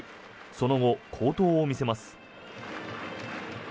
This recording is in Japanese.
その後、好投を見せます。